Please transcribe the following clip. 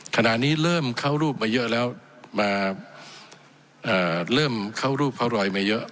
ขณะนี้เริ่มเข้ารูปพาลอยไม่เยอะ